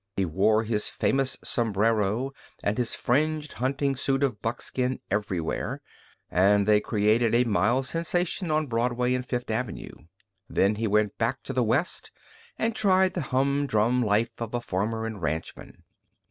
He wore his famous sombrero and his fringed hunting suit of buckskin everywhere, and they created a mild sensation on Broadway and Fifth Avenue. Then he went back to the West and tried the hum drum life of a farmer and ranchman.